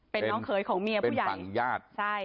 เป็นน้องเขยของเมียผู้ใหญ่